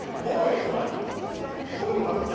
これもな